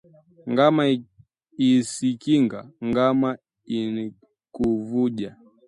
Ngama isikinga – ngama haikuvuja